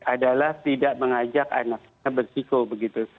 adalah tidak mengajak anaknya bersiko begitu